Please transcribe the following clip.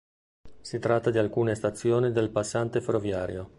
Si tratta di alcune stazioni del passante ferroviario.